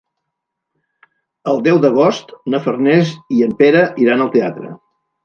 El deu d'agost na Farners i en Pere iran al teatre.